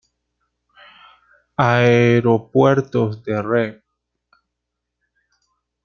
Aeropuertos de Rep.